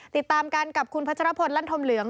ติดตามกันกับคุณพัชรพลลั่นธมเหลือง